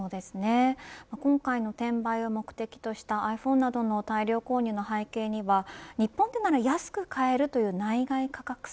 今回の転売を目的としたｉＰｈｏｎｅなどの大量購入の背景には日本でなら安く買えるという内外価格差